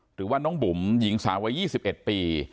หรือว่าน้องบุ๋มหญิงสาววัย๒๑ปี